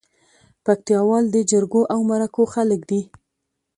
پکتياوال دي جرګو او مرکو خلک دي